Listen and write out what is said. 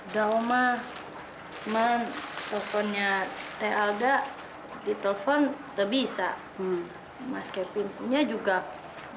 da'umah teman teleponnya teh alda di telpon ngebisa mas kevin punya juga nggak bisa oma